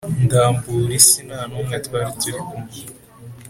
ndambura isi nta n’umwe twari kumwe.